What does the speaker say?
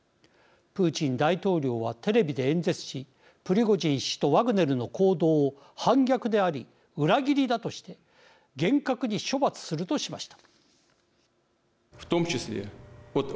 プーチン大統領はテレビで演説しプリゴジン氏とワグネルの行動を反逆であり、裏切りだとして厳格に処罰するとしました。